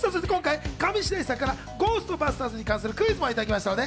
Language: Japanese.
今回、上白石さんから『ゴーストバスターズ』に関するクイズもいただきました。